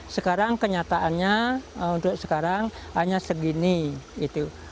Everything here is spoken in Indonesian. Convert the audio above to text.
sekarang kenyataannya untuk sekarang hanya segini gitu